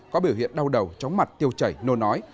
có biểu hiện đau đầu chóng mặt tiêu chảy nô nói